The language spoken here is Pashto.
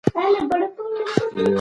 سمارټ فون د زده کړې یوه وسیله ده.